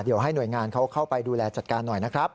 เดี๋ยวให้หน่วยงานเขาเข้าไปดูแลจัดการหน่อยนะครับ